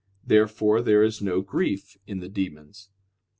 Therefore there is no grief in the demons.